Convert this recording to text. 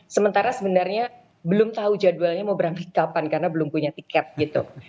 sementara sebenarnya belum tahu jadwalnya mau berangkat kapan karena belum punya tiket gitu